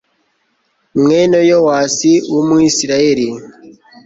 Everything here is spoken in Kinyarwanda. mwene yowasi, w'umuyisraheli